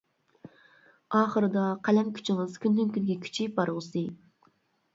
ئاخىرىدا قەلەم كۈچىڭىز كۈندىن-كۈنگە كۈچىيىپ بارغۇسى!